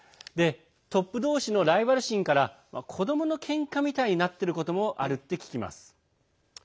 トップ同士のライバル心から子どものけんかみたいになってることもあるって聞きます。